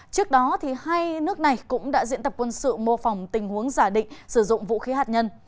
trước đó hai nước này cũng đã diễn tập quân sự mô phỏng tình huống giả định sử dụng vũ khí hạt nhân